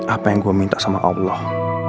apa yang gue minta sama allah